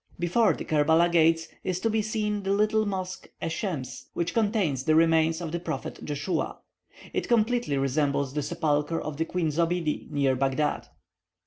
Before the Kerbela gates is to be seen the little mosque Esshems, which contains the remains of the prophet Joshua. It completely resembles the sepulchre of the Queen Zobiede near Baghdad.